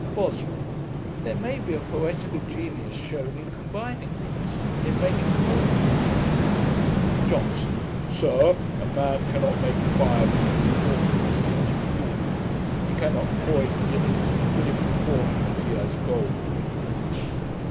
BOSWELL. 'There may be a poetical genius shewn in combining these, and in making poetry of them.' JOHNSON. 'Sir, a man cannot make fire but in proportion as he has fuel. He cannot coin guineas but in proportion as he has gold.'